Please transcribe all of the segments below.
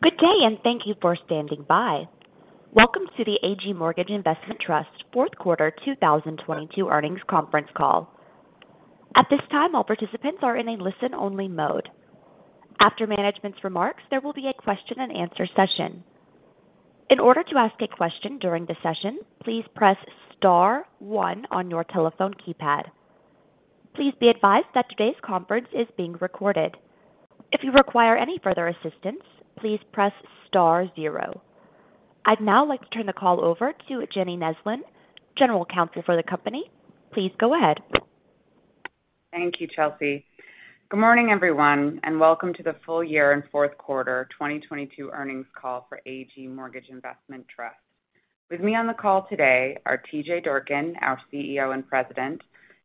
Good day, thank you for standing by. Welcome to the TPG Mortgage Investment Trust fourth quarter 2022 earnings conference call. At this time, all participants are in a listen-only mode. After management's remarks, there will be a question-and-answer session. In order to ask a question during the session, please press Star one on your telephone keypad. Please be advised that today's conference is being recorded. If you require any further assistance, please press Star zero. I'd now like to turn the call over to Jenny Neslin, General Counsel for the company. Please go ahead. Thank you, Chelsea. Good morning, everyone, and welcome to the full year and fourth quarter 2022 earnings call for TPG Mortgage Investment Trust. With me on the call today are T.J. Durkin, our CEO and President,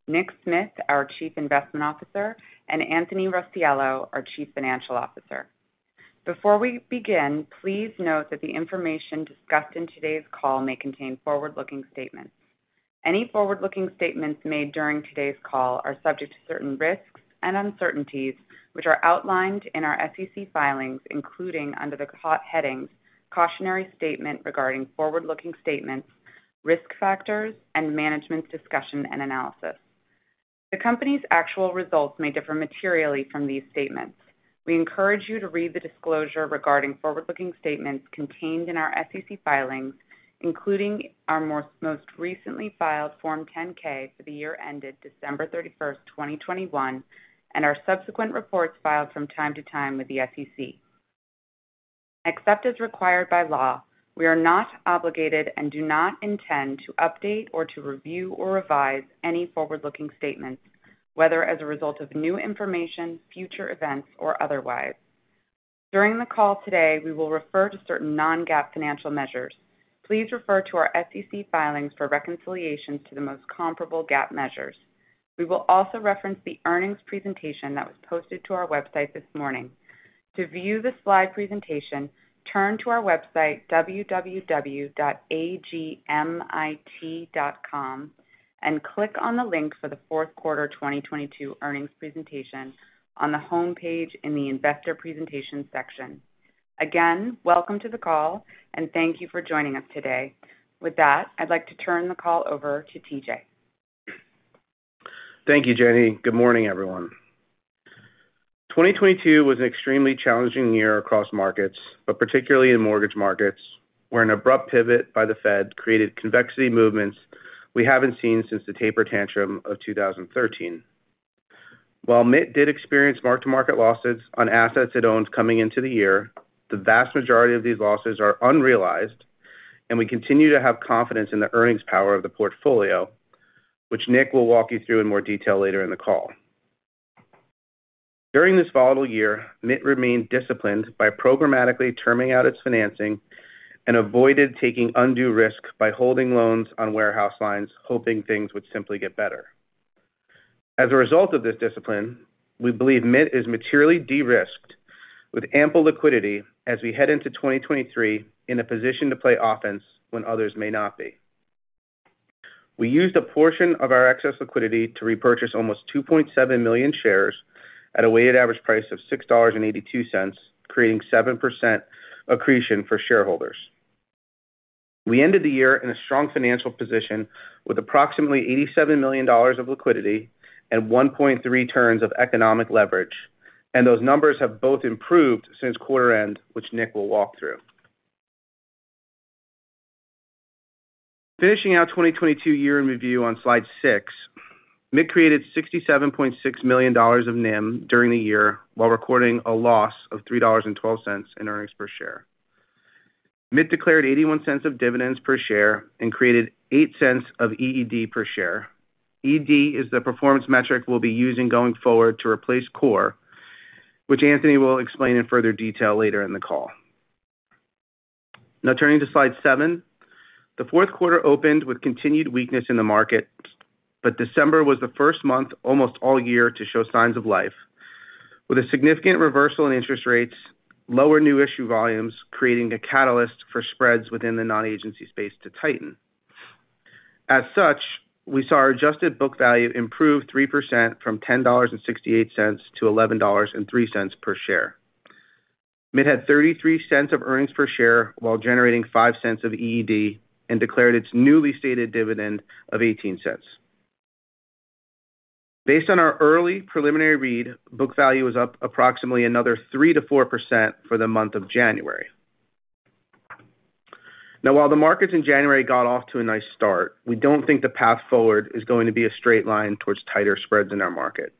Nicholas Smith, our Chief Investment Officer, and Anthony Rossiello, our Chief Financial Officer. Before we begin, please note that the information discussed in today's call may contain forward-looking statements. Any forward-looking statements made during today's call are subject to certain risks and uncertainties, which are outlined in our SEC filings, including under the co-headings Cautionary Statement regarding forward-looking statements, Risk Factors and Management's Discussion and Analysis. The company's actual results may differ materially from these statements. We encourage you to read the disclosure regarding forward-looking statements contained in our SEC filings, including our most recently filed Form 10-K for the year ended December 31, 2021, and our subsequent reports filed from time to time with the SEC. Except as required by law, we are not obligated and do not intend to update or to review or revise any forward-looking statements, whether as a result of new information, future events, or otherwise. During the call today, we will refer to certain non-GAAP financial measures. Please refer to our SEC filings for reconciliations to the most comparable GAAP measures. We will also reference the earnings presentation that was posted to our website this morning. To view the slide presentation, turn to our website, www.mitt.tpg.com, and click on the link for the fourth quarter 2022 earnings presentation on the homepage in the Investor Presentation section. Welcome to the call, and thank you for joining us today. With that, I'd like to turn the call over to T.J. Durkin Thank you, Jenny. Good morning, everyone. 2022 was an extremely challenging year across markets, particularly in mortgage markets, where an abrupt pivot by the Fed created convexity movements we haven't seen since the taper tantrum of 2013. While MIT did experience mark-to-market losses on assets it owned coming into the year, the vast majority of these losses are unrealized, we continue to have confidence in the earnings power of the portfolio, which Nick will walk you through in more detail later in the call. During this volatile year, MIT remained disciplined by programmatically terming out its financing and avoided taking undue risk by holding loans on warehouse lines, hoping things would simply get better. As a result of this discipline, we believe MIT is materially de-risked with ample liquidity as we head into 2023 in a position to play offense when others may not be. We used a portion of our excess liquidity to repurchase almost 2.7 million shares at a weighted average price of $6.82, creating 7% accretion for shareholders. Those numbers have both improved since quarter end, which Nick will walk through. Finishing our 2022 year in review on slide six, MIT created $67.6 million of NIM during the year while recording a loss of $3.12 in earnings per share. MIT declared $0.81 of dividends per share and created $0.08 of EAD per share. EAD is the performance metric we'll be using going forward to replace core, which Anthony will explain in further detail later in the call. Turning to slide seven. The fourth quarter opened with continued weakness in the market, December was the first month almost all year to show signs of life, with a significant reversal in interest rates, lower new issue volumes, creating a catalyst for spreads within the non-agency space to tighten. As such, we saw our adjusted book value improve 3% from $10.68 to $11.03 per share. MIT had $0.33 of earnings per share while generating $0.05 of EAD and declared its newly stated dividend of $0.18. Based on our early preliminary read, book value is up approximately another 3%-4% for the month of January. While the markets in January got off to a nice start, we don't think the path forward is going to be a straight line towards tighter spreads in our market.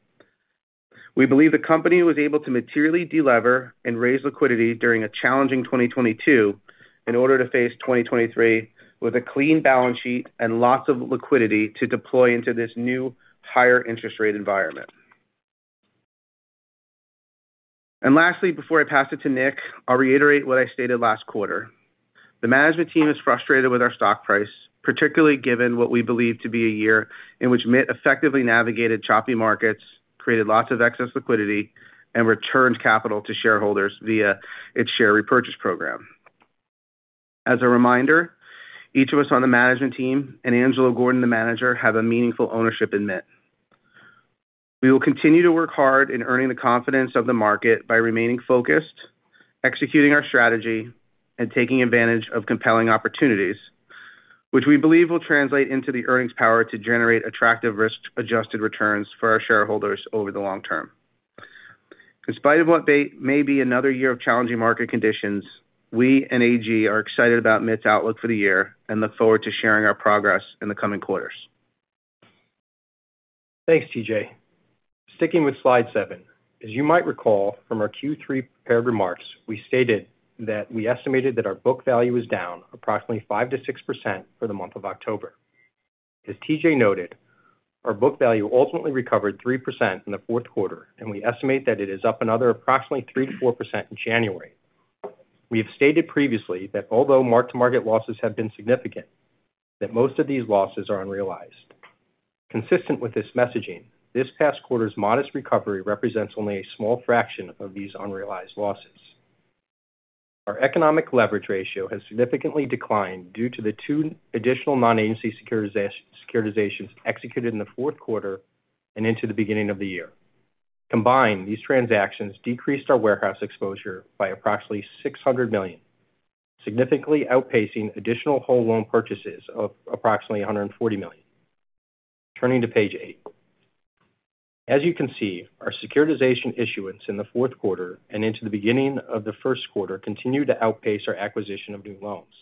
We believe the company was able to materially de-lever and raise liquidity during a challenging 2022 in order to face 2023 with a clean balance sheet and lots of liquidity to deploy into this new higher interest rate environment. Lastly, before I pass it to Nick, I'll reiterate what I stated last quarter. The management team is frustrated with our stock price, particularly given what we believe to be a year in which MIT effectively navigated choppy markets, created lots of excess liquidity, and returned capital to shareholders via its share repurchase program. As a reminder, each of us on the management team and Angelo Gordon, the manager, have a meaningful ownership in MIT. We will continue to work hard in earning the confidence of the market by remaining focused, executing our strategy, and taking advantage of compelling opportunities, which we believe will translate into the earnings power to generate attractive risk-adjusted returns for our shareholders over the long term. In spite of what may be another year of challenging market conditions, we and AG are excited about MIT's outlook for the year and look forward to sharing our progress in the coming quarters. Thanks, TJ. Sticking with slide seven, as you might recall from our Q3 prepared remarks, we stated that we estimated that our book value was down approximately 5%-6% for the month of October. TJ noted, our book value ultimately recovered 3% in the fourth quarter. We estimate that it is up another approximately 3%-4% in January. We have stated previously that although mark-to-market losses have been significant, that most of these losses are unrealized. Consistent with this messaging, this past quarter's modest recovery represents only a small fraction of these unrealized losses. Our economic leverage ratio has significantly declined due to the two additional non-agency securitizations executed in the fourth quarter and into the beginning of the year. Combined, these transactions decreased our warehouse exposure by approximately $600 million, significantly outpacing additional whole loan purchases of approximately $140 million. Turning to page eight. As you can see, our securitization issuance in the fourth quarter and into the beginning of the first quarter continued to outpace our acquisition of new loans.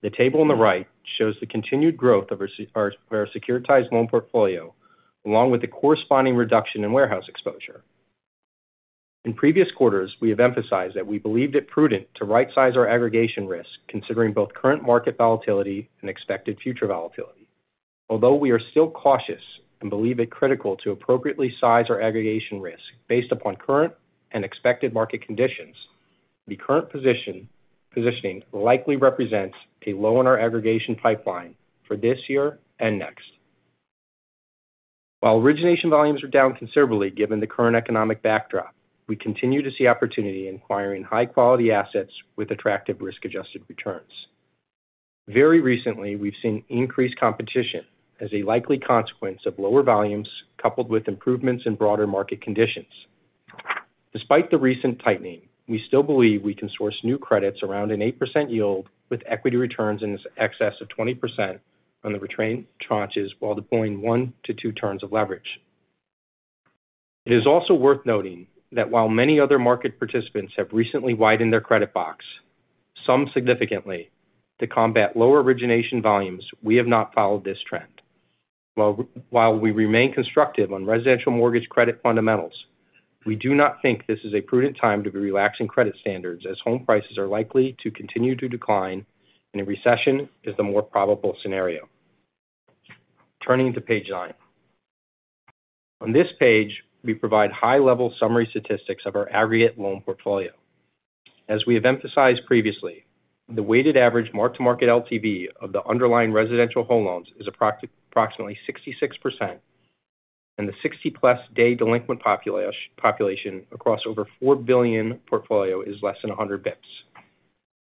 The table on the right shows the continued growth of our securitized loan portfolio along with the corresponding reduction in warehouse exposure. In previous quarters, we have emphasized that we believed it prudent to rightsize our aggregation risk considering both current market volatility and expected future volatility. We are still cautious and believe it critical to appropriately size our aggregation risk based upon current and expected market conditions, the current positioning likely represents a low in our aggregation pipeline for this year and next. While origination volumes are down considerably given the current economic backdrop, we continue to see opportunity in acquiring high-quality assets with attractive risk-adjusted returns. Very recently, we've seen increased competition as a likely consequence of lower volumes coupled with improvements in broader market conditions. Despite the recent tightening, we still believe we can source new credits around an 8% yield with equity returns in excess of 20% on the retained tranches while deploying one to two turns of leverage. It is also worth noting that while many other market participants have recently widened their credit box, some significantly, to combat lower origination volumes, we have not followed this trend. While we remain constructive on residential mortgage credit fundamentals, we do not think this is a prudent time to be relaxing credit standards as home prices are likely to continue to decline and a recession is the more probable scenario. Turning to page nine. On this page, we provide high-level summary statistics of our aggregate loan portfolio. As we have emphasized previously, the weighted average mark-to-market LTV of the underlying residential home loans is approximately 66%, and the 60-plus day delinquent population across over a $4 billion portfolio is less than 100 basis points.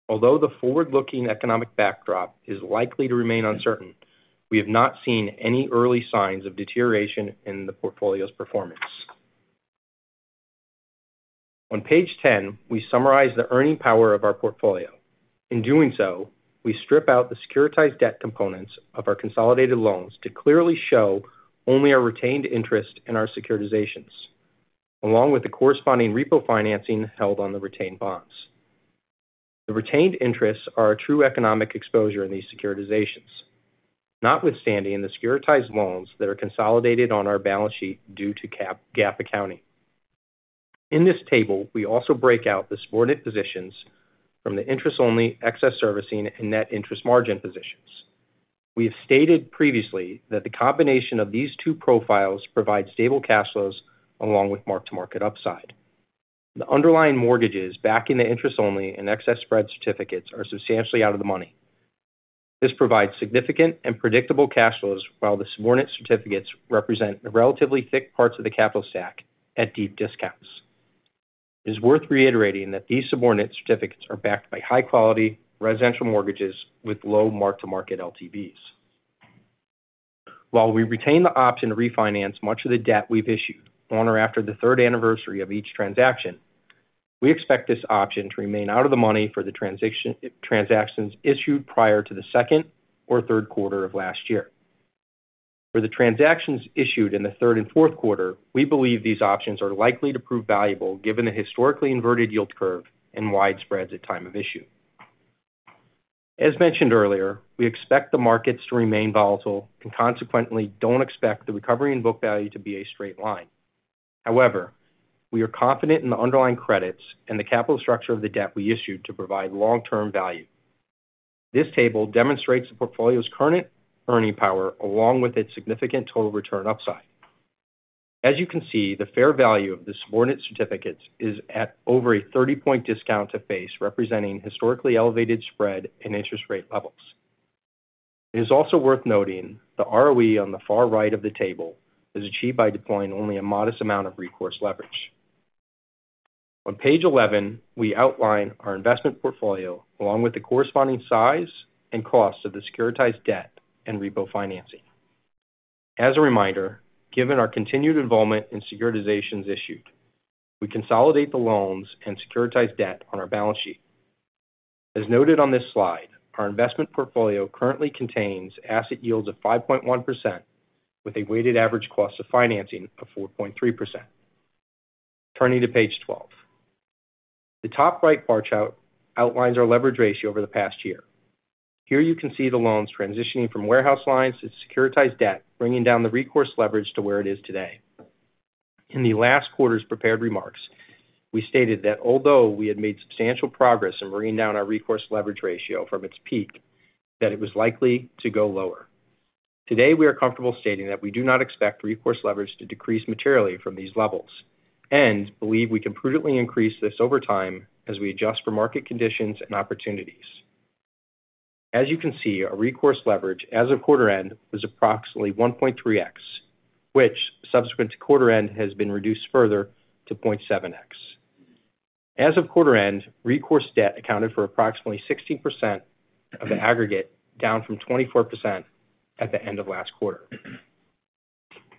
Although the forward-looking economic backdrop is likely to remain uncertain, we have not seen any early signs of deterioration in the portfolio's performance. On page 10, we summarize the earning power of our portfolio. In doing so, we strip out the securitized debt components of our consolidated loans to clearly show only our retained interest in our securitizations, along with the corresponding repo financing held on the retained bonds. The retained interests are our true economic exposure in these securitizations, not withstanding the securitized loans that are consolidated on our balance sheet due to GAAP accounting. In this table, we also break out the subordinate positions from the interest-only excess servicing and net interest margin positions. We have stated previously that the combination of these two profiles provide stable cash flows along with mark-to-market upside. The underlying mortgages backing the interest-only and excess spread certificates are substantially out of the money. This provides significant and predictable cash flows while the subordinate certificates represent the relatively thick parts of the capital stack at deep discounts. It is worth reiterating that these subordinate certificates are backed by high-quality residential mortgages with low mark-to-market LTVs. While we retain the option to refinance much of the debt we've issued on or after the 3rd anniversary of each transaction, we expect this option to remain out of the money for the transactions issued prior to the 2nd or 3rd quarter of last year. For the transactions issued in the 3rd and 4th quarter, we believe these options are likely to prove valuable given the historically inverted yield curve and wide spreads at time of issue. As mentioned earlier, we expect the markets to remain volatile and consequently don't expect the recovery in book value to be a straight line. However, we are confident in the underlying credits and the capital structure of the debt we issued to provide long-term value. This table demonstrates the portfolio's current earning power along with its significant total return upside. As you can see, the fair value of the subordinate certificates is at over a 30-point discount to face representing historically elevated spread and interest rate levels. It is also worth noting the ROE on the far right of the table is achieved by deploying only a modest amount of recourse leverage. On page 11, we outline our investment portfolio along with the corresponding size and cost of the securitized debt and repo financing. As a reminder, given our continued involvement in securitizations issued, we consolidate the loans and securitize debt on our balance sheet. As noted on this slide, our investment portfolio currently contains asset yields of 5.1%, with a weighted average cost of financing of 4.3%. Turning to page 12, the top right bar chart outlines our leverage ratio over the past year. Here you can see the loans transitioning from warehouse lines to securitized debt, bringing down the recourse leverage to where it is today. In the last quarter's prepared remarks, we stated that although we had made substantial progress in bringing down our recourse leverage ratio from its peak, that it was likely to go lower. Today, we are comfortable stating that we do not expect recourse leverage to decrease materially from these levels, and believe we can prudently increase this over time as we adjust for market conditions and opportunities. As you can see, our recourse leverage as of quarter end was approximately 1.3x, which subsequent to quarter end has been reduced further to 0.7x. As of quarter end, recourse debt accounted for approximately 16% of the aggregate, down from 24% at the end of last quarter.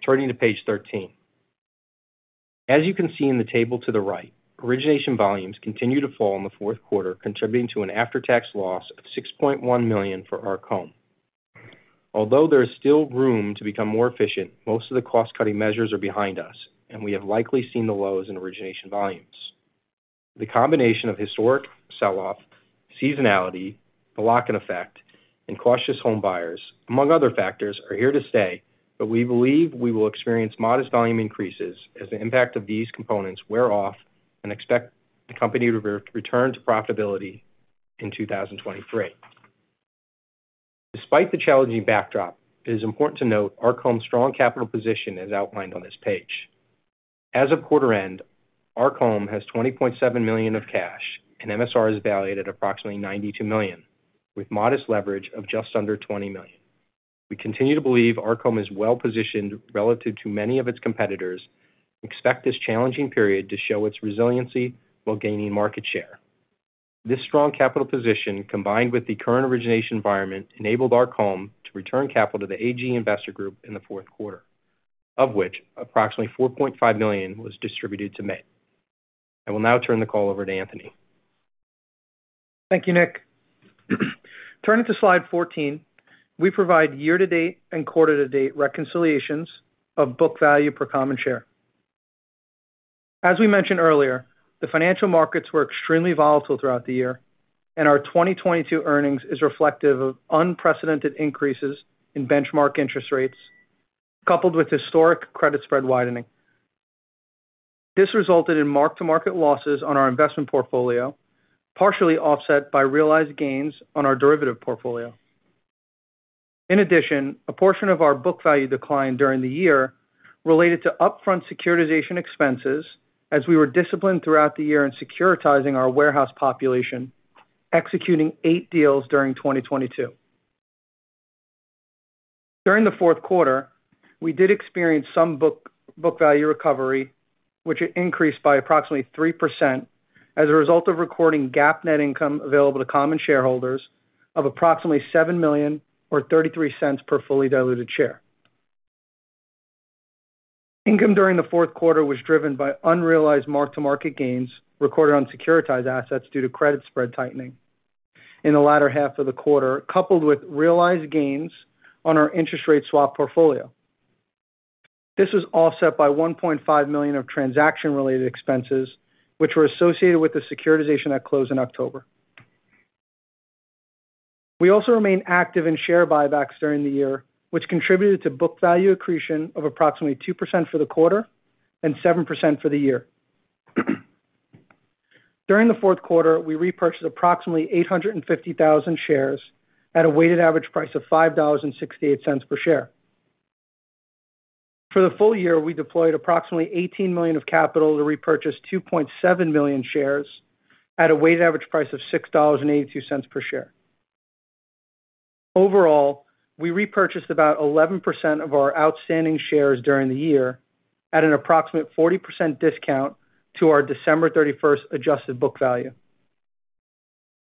Turning to page 13. As you can see in the table to the right, origination volumes continue to fall in the fourth quarter, contributing to an after-tax loss of $6.1 million for Arc Home. There is still room to become more efficient, most of the cost-cutting measures are behind us and we have likely seen the lows in origination volumes. The combination of historic sell-off, seasonality, the lock-in effect, and cautious home buyers, among other factors, are here to stay, but we believe we will experience modest volume increases as the impact of these components wear off and expect the company to return to profitability in 2023. Despite the challenging backdrop, it is important to note Arc Home's strong capital position as outlined on this page. As of quarter end, Arc Home has $20.7 million of cash, and MSR is valued at approximately $92 million, with modest leverage of just under $20 million. We continue to believe Arc Home is well-positioned relative to many of its competitors, expect this challenging period to show its resiliency while gaining market share. This strong capital position, combined with the current origination environment, enabled Arc Home to return capital to the AG investor group in the fourth quarter, of which approximately $4.5 million was distributed to MITT. I will now turn the call over to Anthony. Thank you, Peter. Turning to slide 14, we provide year-to-date and quarter-to-date reconciliations of book value per common share. As we mentioned earlier, the financial markets were extremely volatile throughout the year and our 2022 earnings is reflective of unprecedented increases in benchmark interest rates, coupled with historic credit spread widening. This resulted in mark-to-market losses on our investment portfolio, partially offset by realized gains on our derivative portfolio. In addition, a portion of our book value declined during the year related to upfront securitization expenses as we were disciplined throughout the year in securitizing our warehouse population, executing eight deals during 2022. During the fourth quarter, we did experience some book value recovery, which increased by approximately 3% as a result of recording GAAP net income available to common shareholders of approximately $7 million or $0.33 per fully diluted share. Income during the fourth quarter was driven by unrealized mark-to-market gains recorded on securitized assets due to credit spread tightening in the latter half of the quarter, coupled with realized gains on our interest rate swap portfolio. This was offset by $1.5 million of transaction-related expenses which were associated with the securitization that closed in October. We also remained active in share buybacks during the year, which contributed to book value accretion of approximately 2% for the quarter and 7% for the year. During the fourth quarter, we repurchased approximately 850,000 shares at a weighted average price of $5.68 per share. For the full year, we deployed approximately $18 million of capital to repurchase 2.7 million shares at a weighted average price of $6.82 per share. Overall, we repurchased about 11% of our outstanding shares during the year at an approximate 40% discount to our December 31st adjusted book value.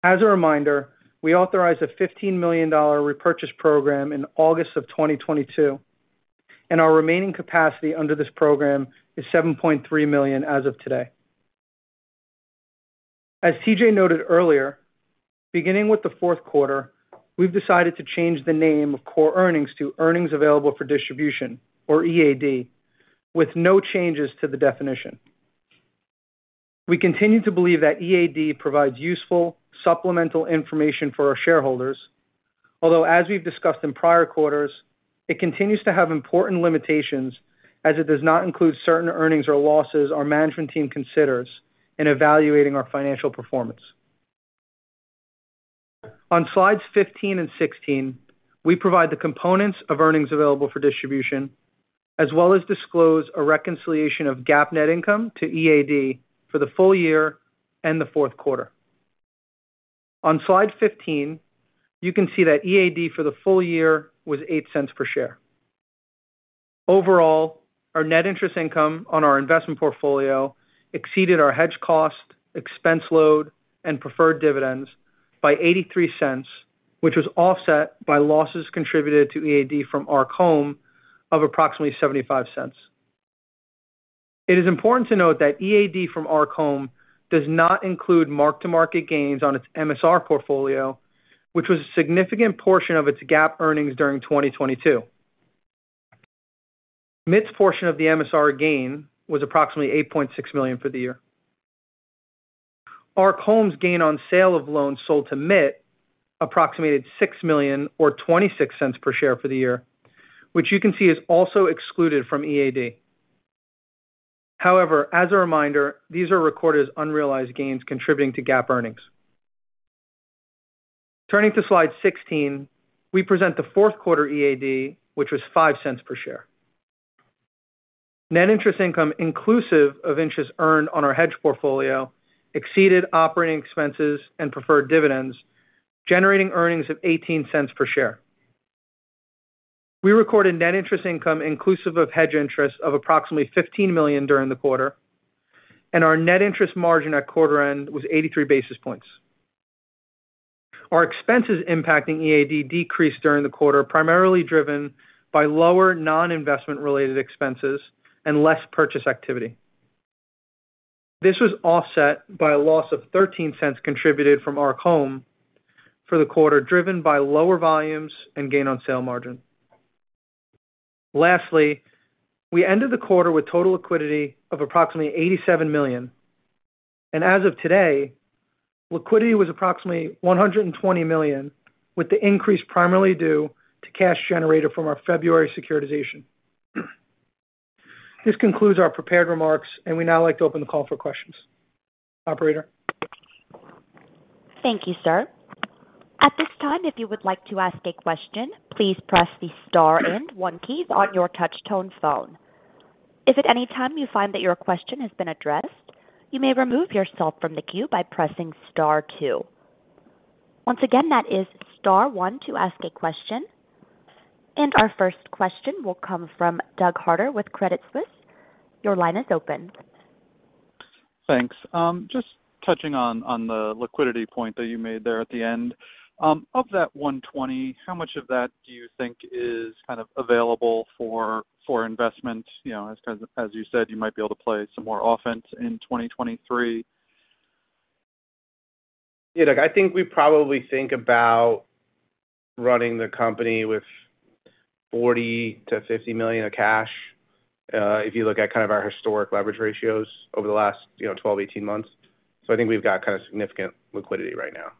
As a reminder, we authorized a $15 million repurchase program in August of 2022, our remaining capacity under this program is $7.3 million as of today. As TJ noted earlier, beginning with the fourth quarter, we've decided to change the name of core earnings to Earnings Available for Distribution, or EAD, with no changes to the definition. We continue to believe that EAD provides useful supplemental information for our shareholders, although as we've discussed in prior quarters, it continues to have important limitations as it does not include certain earnings or losses our management team considers in evaluating our financial performance. On slides 15 and 16, we provide the components of earnings available for distribution, as well as disclose a reconciliation of GAAP net income to EAD for the full year and the fourth quarter. On slide 15, you can see that EAD for the full year was $0.08 per share. Overall, our net interest income on our investment portfolio exceeded our hedge cost, expense load, and preferred dividends by $0.83, which was offset by losses contributed to EAD from Arc Home of approximately $0.75. It is important to note that EAD from Arc Home does not include mark-to-market gains on its MSR portfolio, which was a significant portion of its GAAP earnings during 2022. MITT's portion of the MSR gain was approximately $8.6 million for the year. Arc Home's gain on sale of loans sold to MITT approximated $6 million or $0.26 per share for the year, which you can see is also excluded from EAD. As a reminder, these are recorded as unrealized gains contributing to GAAP earnings. Turning to slide 16, we present the fourth quarter EAD, which was $0.05 per share. Net interest income inclusive of interest earned on our hedge portfolio exceeded operating expenses and preferred dividends, generating earnings of $0.18 per share. We recorded net interest income inclusive of hedge interest of approximately $15 million during the quarter, our net interest margin at quarter end was 83 basis points. Our expenses impacting EAD decreased during the quarter, primarily driven by lower non-investment related expenses and less purchase activity. This was offset by a loss of $0.13 contributed from Arc Home for the quarter, driven by lower volumes and gain on sale margin. Lastly, we ended the quarter with total liquidity of approximately $87 million. As of today, liquidity was approximately $120 million, with the increase primarily due to cash generated from our February securitization. This concludes our prepared remarks, and we'd now like to open the call for questions. Operator? Thank you, sir. At this time, if you would like to ask a question, please press the Star and one key on your touch tone phone. If at any time you find that your question has been addressed, you may remove yourself from the queue by pressing Star two. Once again, that is star one to ask a question. Our first question will come from Douglas Harter with Credit Suisse. Your line is open. Thanks. Just touching on the liquidity point that you made there at the end. Of that $120, how much of that do you think is kind of available for investment? You know, as you said, you might be able to play some more offense in 2023. Yeah, Doug, I think we probably think about running the company with $40 million-$50 million of cash, if you look at kind of our historic leverage ratios over the last, you know, 12, 18 months. I think we've got kind of significant liquidity right now.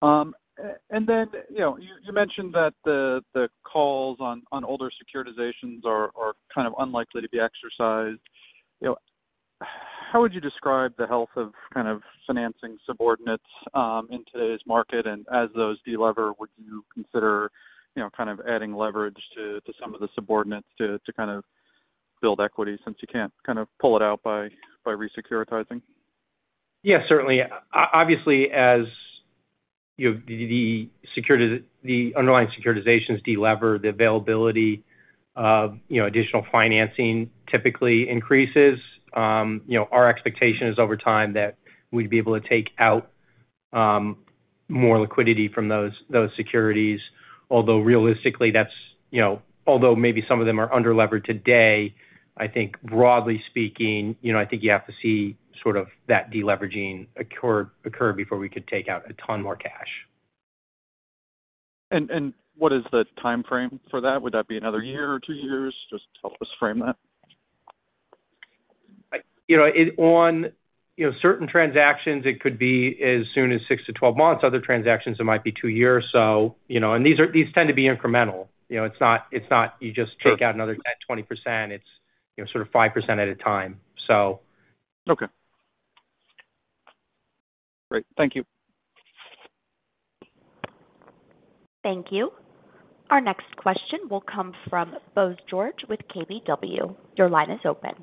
You know, you mentioned that the calls on older securitizations are kind of unlikely to be exercised. You know, how would you describe the health of kind of financing subordinates in today's market? As those de-lever, would you consider, you know, kind of adding leverage to some of the subordinates to kind of build equity since you can't kind of pull it out by re-securitizing? Yeah, certainly. Obviously, as, you know, the underlying securitizations de-lever, the availability of, you know, additional financing typically increases. You know, our expectation is over time that we'd be able to take out more liquidity from those securities, although realistically, that's, you know, although maybe some of them are under-levered today, I think broadly speaking, you know, I think you have to see sort of that de-leveraging occur before we could take out a ton more cash. What is the timeframe for that? Would that be another 1 year or 2 years? Just help us frame that. You know, on, you know, certain transactions, it could be as soon as 6-12 months. Other transactions, it might be two years. You know, these tend to be incremental. You know, it's not you just take out- Sure. another 10%, 20%. It's, you know, sort of 5% at a time, so. Okay. Great. Thank you. Thank you. Our next question will come from Bose George with KBW. Your line is open.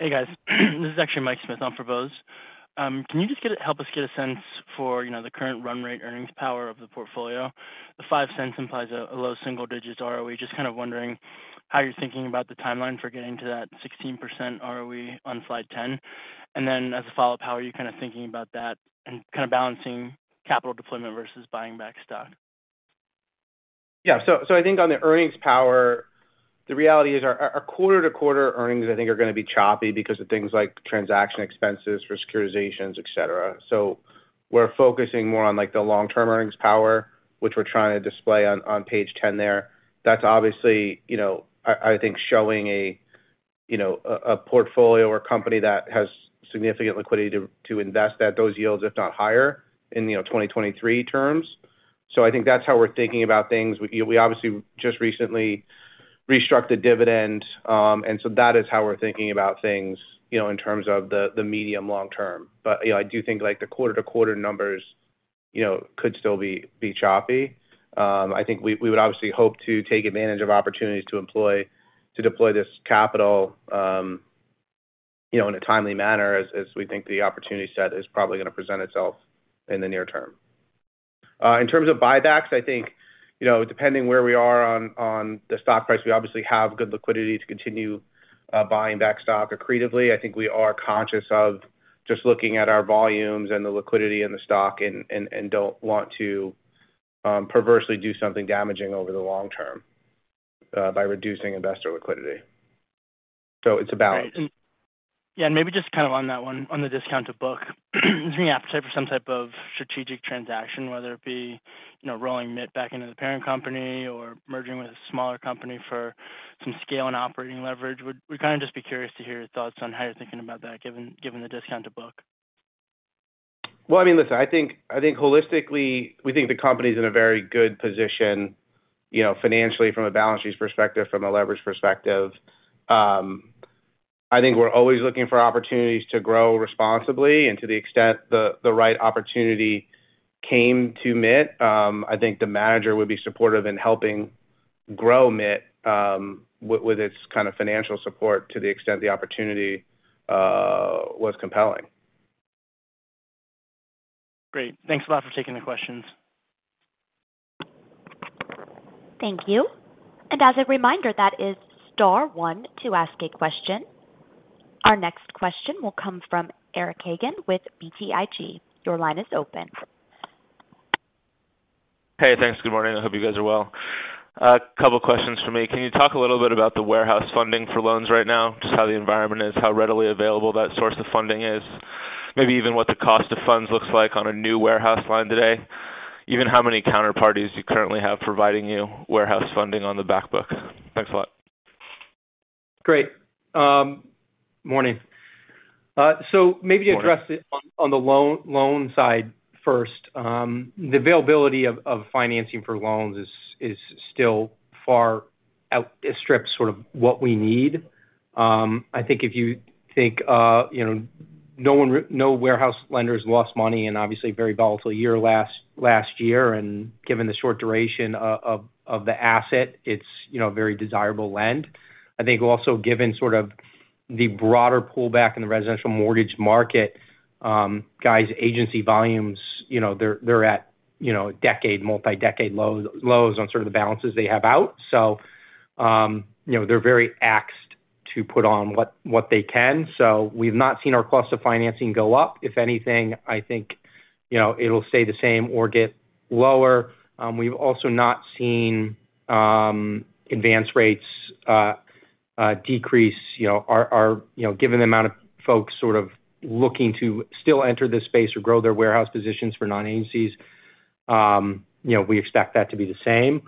Hey, guys. This is actually Mike Smith on for Bose. Can you just help us get a sense for, you know, the current run rate earnings power of the portfolio? The $0.05 implies a low single-digits ROE. Just kind of wondering how you're thinking about the timeline for getting to that 16% ROE on slide 10. As a follow-up, how are you kind of thinking about that and kind of balancing capital deployment versus buying back stock? I think on the earnings power, the reality is our quarter to quarter earnings, I think, are gonna be choppy because of things like transaction expenses for securitizations, et cetera. We're focusing more on, like, the long-term earnings power, which we're trying to display on page 10 there. That's obviously, you know, I think showing a, you know, a portfolio or company that has significant liquidity to invest at those yields, if not higher in, you know, 2023 terms. I think that's how we're thinking about things. We obviously just recently restructured dividend. That is how we're thinking about things, you know, in terms of the medium long term. You know, I do think like the quarter to quarter numbers, you know, could still be choppy. I think we would obviously hope to take advantage of opportunities to deploy this capital. You know, in a timely manner as we think the opportunity set is probably gonna present itself in the near term. In terms of buybacks, I think, you know, depending where we are on the stock price, we obviously have good liquidity to continue buying back stock accretively. I think we are conscious of just looking at our volumes and the liquidity in the stock and don't want to perversely do something damaging over the long term by reducing investor liquidity. It's a balance. Right. Yeah, maybe just kind of on that one, on the discount to book the appetite for some type of strategic transaction, whether it be, you know, rolling MITT back into the parent company or merging with a smaller company for some scale and operating leverage. Would kinda just be curious to hear your thoughts on how you're thinking about that given the discount to book. Well, I mean, listen, I think holistically, we think the company's in a very good position, you know, financially from a balance sheet perspective, from a leverage perspective. I think we're always looking for opportunities to grow responsibly and to the extent the right opportunity came to MITT, I think the manager would be supportive in helping grow MITT, with its kind of financial support to the extent the opportunity was compelling. Great. Thanks a lot for taking the questions. Thank you. As a reminder, that is star one to ask a question. Our next question will come from Eric Hagen with BTIG. Your line is open. Hey, thanks. Good morning. I hope you guys are well. A couple questions from me. Can you talk a little bit about the warehouse funding for loans right now, just how the environment is, how readily available that source of funding is? Maybe even what the cost of funds looks like on a new warehouse line today. Even how many counterparties you currently have providing you warehouse funding on the back book. Thanks a lot. Great. morning. maybe. Morning address it on the loan side first. The availability of financing for loans is still far out. It strips sort of what we need. I think if you think, you know, no warehouse lenders lost money in obviously a very volatile year last year. Given the short duration of the asset, it's, you know, a very desirable lend. I think also given sort of the broader pullback in the residential mortgage market, guys agency volumes, you know, they're at, you know, decade, multi-decade lows on sort of the balances they have out. They're very axed to put on what they can. We've not seen our cost of financing go up. If anything, I think, you know, it'll stay the same or get lower. We've also not seen advance rates decrease, you know, our, you know, given the amount of folks sort of looking to still enter this space or grow their warehouse positions for non-agencies, you know, we expect that to be the same.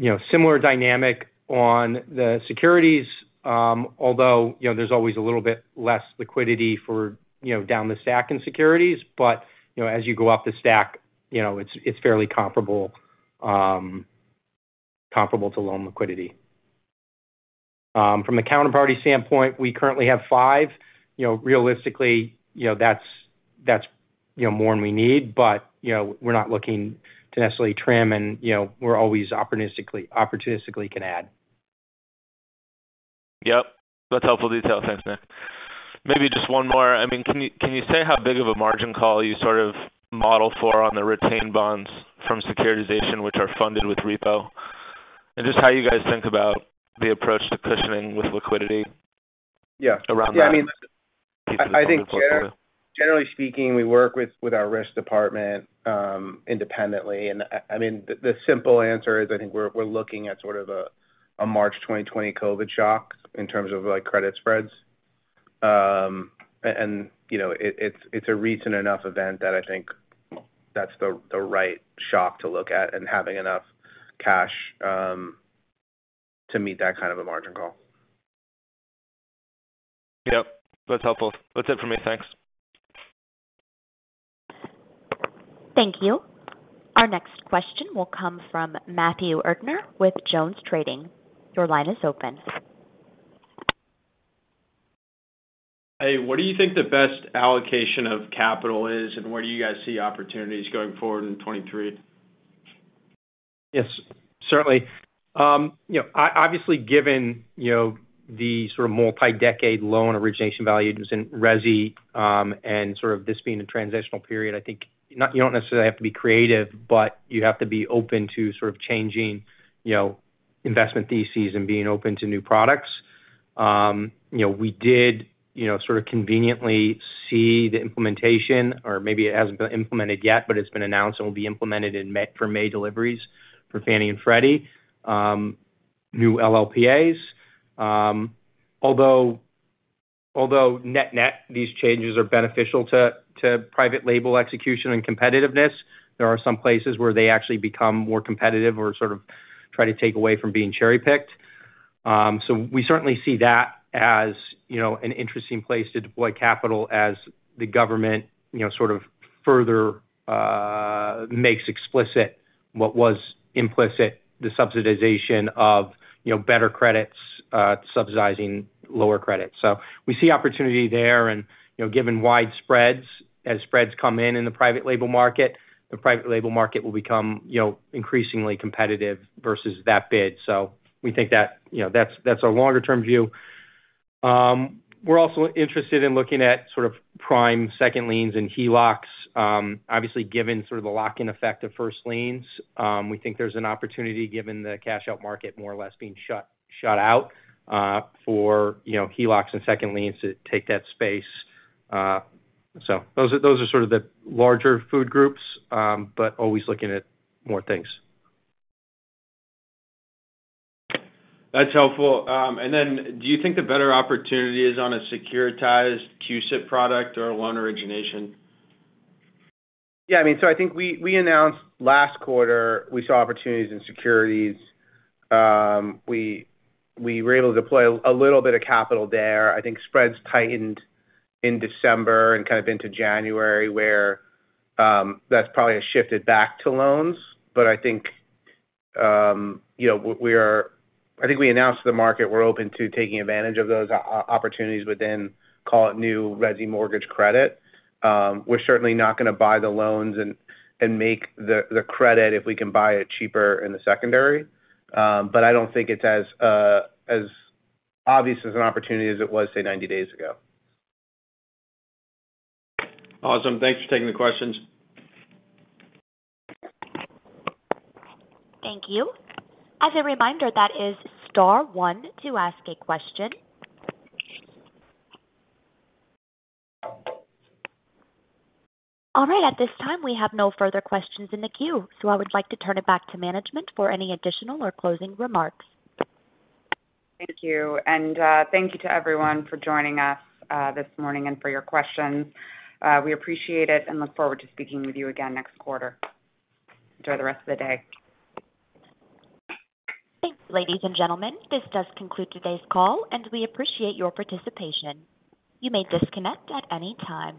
You know, similar dynamic on the securities, although, you know, there's always a little bit less liquidity for, you know, down the stack in securities. You know, as you go up the stack, you know, it's fairly comparable to loan liquidity. From a counterparty standpoint, we currently have five. You know, realistically, you know, that's, you know, more than we need. You know, we're not looking to necessarily trim and, you know, we're always opportunistically can add. Yep, that's helpful detail. Thanks, Nick. Maybe just one more. I mean, can you say how big of a margin call you sort of model for on the retained bonds from securitization, which are funded with repo? Just how you guys think about the approach to cushioning with liquidity. Yeah around that. Yeah, I mean, I think generally speaking, we work with our risk department, independently. I mean, the simple answer is, I think we're looking at sort of a March 2020 COVID shock in terms of like credit spreads. You know, it's a recent enough event that I think that's the right shock to look at and having enough cash to meet that kind of a margin call. Yep, that's helpful. That's it for me. Thanks. Thank you. Our next question will come from Matthew Erdner with JonesTrading. Your line is open. Hey, what do you think the best allocation of capital is, and where do you guys see opportunities going forward in 2023? Yes, certainly. You know, obviously, given, you know, the sort of multi-decade loan origination values in resi, and sort of this being a transitional period, I think you don't necessarily have to be creative, but you have to be open to sort of changing, you know, investment theses and being open to new products. You know, we did, you know, sort of conveniently see the implementation, or maybe it hasn't been implemented yet, but it's been announced and will be implemented in May for May deliveries for Fannie and Freddie, new LLPAs. Net-net, these changes are beneficial to private label execution and competitiveness, there are some places where they actually become more competitive or sort of try to take away from being cherry-picked. We certainly see that as, you know, an interesting place to deploy capital as the government, you know, sort of further makes explicit what was implicit, the subsidization of, you know, better credits, subsidizing lower credits. We see opportunity there and, you know, given wide spreads, as spreads come in in the private label market, the private label market will become, you know, increasingly competitive versus that bid. We think that, you know, that's our longer term view. We're also interested in looking at sort of prime second liens and HELOCs. Obviously given sort of the lock-in effect of first liens, we think there's an opportunity given the cash-out market more or less being shut out, for, you know, HELOCs and second liens to take that space. Those are sort of the larger food groups, but always looking at more things. That's helpful. Do you think the better opportunity is on a securitized CUSIP product or a loan origination? I think we announced last quarter we saw opportunities in securities. We were able to deploy a little bit of capital there. I think spreads tightened in December and kind of into January where that's probably shifted back to loans. I think, you know, I think we announced to the market we're open to taking advantage of those opportunities within, call it new resi mortgage credit. We're certainly not gonna buy the loans and make the credit if we can buy it cheaper in the secondary. I don't think it's as obvious as an opportunity as it was, say, 90 days ago. Awesome. Thanks for taking the questions. Thank you. As a reminder, that is Star one to ask a question. All right. At this time, we have no further questions in the queue. I would like to turn it back to management for any additional or closing remarks. Thank you. Thank you to everyone for joining us, this morning and for your questions. We appreciate it and look forward to speaking with you again next quarter. Enjoy the rest of the day. Thanks, ladies and gentlemen. This does conclude today's call. We appreciate your participation. You may disconnect at any time.